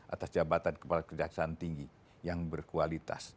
atas jabatan kepala kejaksaan tinggi yang berkualitas